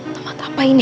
tempat apa ini